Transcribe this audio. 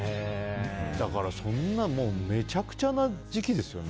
だからめちゃくちゃな時期ですよね。